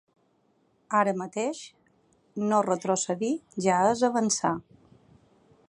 Ara mateix, no retrocedir ja és avançar.